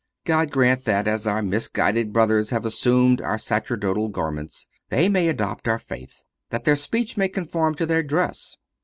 God grant that, as our misguided brothers have assumed our sacerdotal garments, they may adopt our faith, that their speech may conform to their dress.